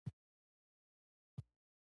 خو د بل درګا ته به لاس نه غځوې.